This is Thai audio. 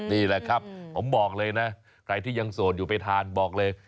นี่แหละครับผมบอกเลยนะใครที่ยังโสดอยู่ไปทานบอกเลย